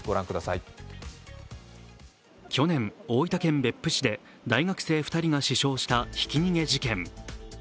去年、大分県別府市で大学生２人が死傷したひき逃げ事件。